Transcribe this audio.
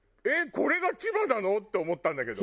これが千葉なの？って思ったんだけど。